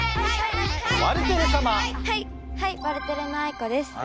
ワルテレのあいこです。